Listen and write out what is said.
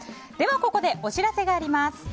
ここで、お知らせがあります。